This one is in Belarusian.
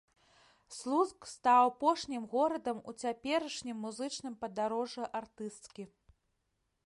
Слуцк стаў апошнім горадам у цяперашнім музычным падарожжы артысткі.